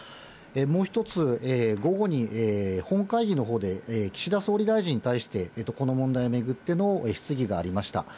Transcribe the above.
もう１つ、午後に本会議のほうで、岸田総理大臣に対して、この問題を巡っての質疑がありました。